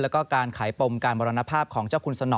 แล้วก็การขายปมการมรณภาพของเจ้าคุณสนอ